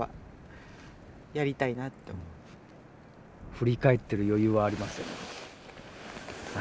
振り返ってる余裕はありません。